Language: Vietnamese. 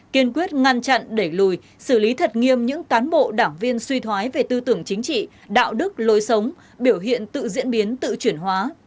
kiên quyết ngăn chặn đẩy lùi xử lý thật nghiêm những cán bộ đảng viên suy thoái về tư tưởng chính trị đạo đức lối sống biểu hiện tự diễn biến tự chuyển hóa